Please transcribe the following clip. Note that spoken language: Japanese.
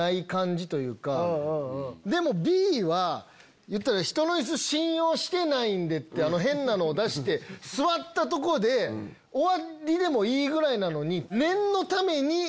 Ｂは「ひとのイス信用してないんで」ってあの変なのを出して座ったとこで終わりでもいいぐらいなのに。